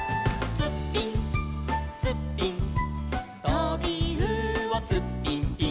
「ツッピンツッピン」「とびうおツッピンピン」